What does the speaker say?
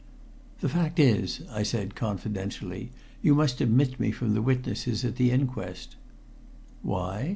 "The fact is," I said confidentially, "you must omit me from the witnesses at the inquest." "Why?"